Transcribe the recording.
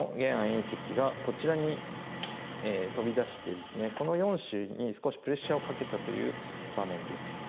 因碩がこちらにトビ出してですねこちらの４子に少しプレッシャーをかけたという場面です。